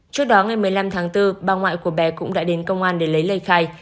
trước đó ngày một mươi năm tháng bốn bà ngoại của bé cũng đã đến công an để lấy lời khai